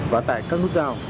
và các nút dào